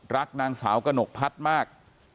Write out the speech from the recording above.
รักนางสาวกระหนกพัฒน์มาก